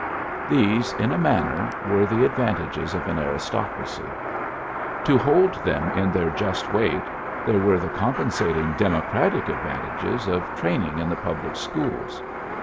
These, in a manner, were the advantages of an aristocracy. To hold them at their just weight, there were the compensating democratic advan tages of training in the public schools.